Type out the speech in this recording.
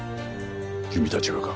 君たちがか？